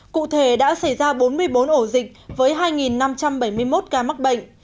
cụ thể đã xảy ra bốn mươi bốn ổ dịch với hai năm trăm bảy mươi một ca mắc bệnh